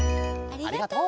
ありがとう。